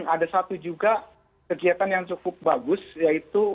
ada satu juga kegiatan yang cukup bagus yaitu